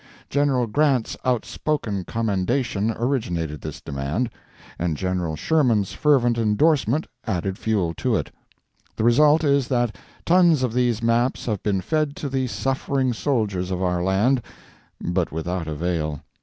General Grant's outspoken commendation originated this demand, and General Sherman's fervent endorsement added fuel to it. The result is that tons of these maps have been fed to the suffering soldiers of our land, but without avail.